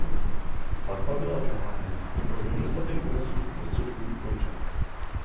Stavba byla zahájena a pro nedostatek finančních prostředků ukončena.